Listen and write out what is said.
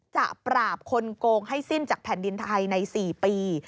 ปราบคนโกงให้สิ้นจากแผ่นดินไทยใน๔ปี